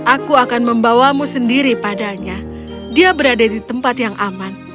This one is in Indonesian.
aku akan membawamu sendiri padanya dia berada di tempat yang aman